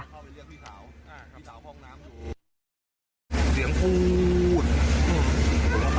ก็มีออกมาพุก